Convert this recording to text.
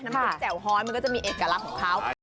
น้ำซุปแจ่วฮอตมันก็จะมีเอกลักษณ์ของเขา